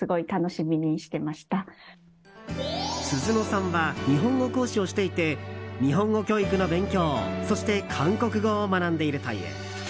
Ｓｕｚｕｎｏさんは日本語講師をしていて日本語教育の勉強、そして韓国語を学んでいるという。